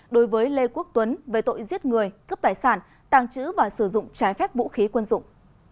đối với lê quốc tuấn về tội giết người cướp tài sản tàng trữ và sử dụng trái phép vũ khí quân dụng